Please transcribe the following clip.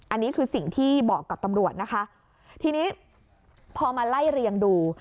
อันนี้คือสิ่งที่บอกกับตำรวจนะคะทีนี้พอมาไล่เรียงดู